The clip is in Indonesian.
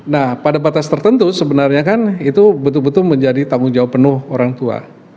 nah pada batas tertentu sebenarnya kan itu betul betul menjadi tanggung jawab penuh orang tua